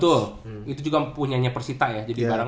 betul itu juga punya nya persita ya jadi barang